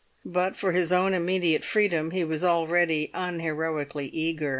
But for his own immediate freedom he was already unheroically eager.